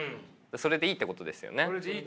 それでいいってことです。